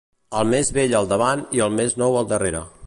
El més vell al davant i el més nou al darrere.